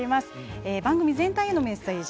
番組全体へのメッセージ。